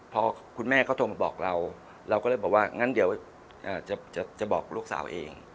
พอคุณแม่เขาโทรมาบอกเราเราก็เลยบอกว่างั้นเดี๋ยวจะบอกลูกสาวเอง